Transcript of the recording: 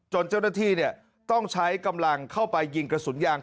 เจ้าหน้าที่ต้องใช้กำลังเข้าไปยิงกระสุนยาง